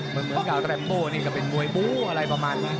เหมือนกับแรมโบนี่ก็เป็นมวยบู้อะไรประมาณนี้